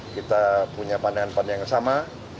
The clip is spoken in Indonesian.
kita punya pandangan pandangan yang sama